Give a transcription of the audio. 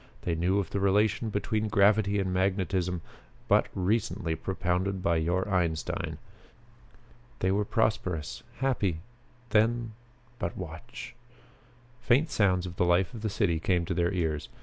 They knew of the relation between gravity and magnetism but recently propounded by your Einstein. They were prosperous, happy. Then but watch!" Faint sounds of the life of the city came to their ears.